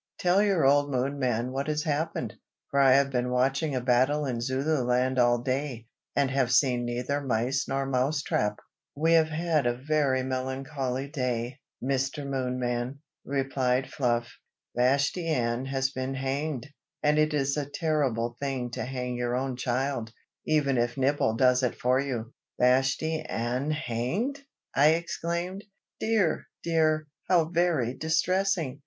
Tell your old Moonman what has happened, for I have been watching a battle in Zululand all day, and have seen neither mice nor mouse trap." "We have had a very melancholy day, Mr. Moonman!" replied Fluff, "Vashti Ann has been hanged, and it is a terrible thing to hang your own child, even if Nibble does it for you." "Vashti Ann hanged!" I exclaimed. "Dear! dear! how very distressing!